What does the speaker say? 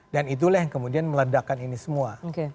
dan itulah yang kemudian meledakkan ini semua